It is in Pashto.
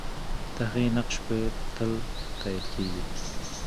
د هغې نقش به تل تایید کېږي.